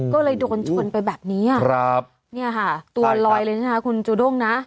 ก็เลยโดนชนไปแบบนี้เนี่ยค่ะตัวลอยเลยนะคะคุณจูด้งนะ